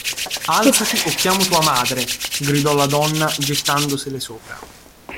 Alzati o chiamo tua madre, – gridò la donna, gettandosele sopra.